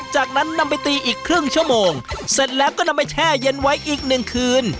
จากนั้นนำไปตีอีกครึ่งชั่วโมงเสร็จแล้วก็นำไปแช่เย็นไว้อีกหนึ่งคืน